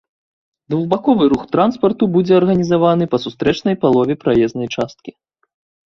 Двухбаковы рух транспарту будзе арганізаваны па сустрэчнай палове праезнай часткі.